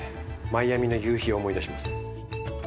マイアミの夕日を思い出しますね。